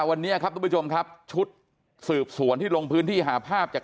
วันนี้ครับทุกผู้ชมครับชุดสืบสวนที่ลงพื้นที่หาภาพจาก